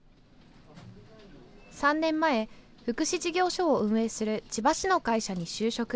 ３年前、福祉事業所を運営する千葉市の会社に就職。